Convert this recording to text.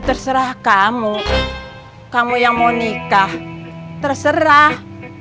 terserah kamu kamu yang mau nikah terserah